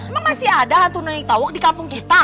emang masih ada hantu nini towo di kampung kita